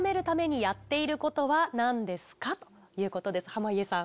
濱家さん。